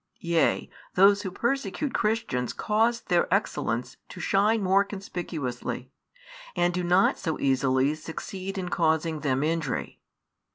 Yea, those who persecute Christians cause their excellence to shine more conspicuously, and do not |44 so easily succeed in causing them injury.